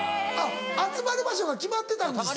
集まる場所が決まってたんですよ。